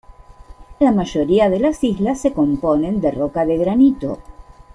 La mayoría de las islas se componen de roca de granito.